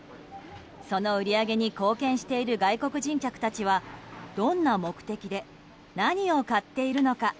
その売り上げに貢献している外国人客たちはどんな目的で何を買っているのか。